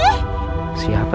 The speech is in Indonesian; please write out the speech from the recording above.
gak ada siapa siapa